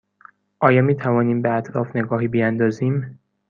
آیا می توانیم به اطراف نگاهی بیاندازیم؟